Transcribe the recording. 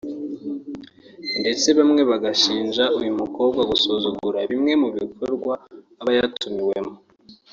ndetse bamwe bagashinja uyu mukobwa gusuzugura bimwe mu bikorwa aba yatumiwemo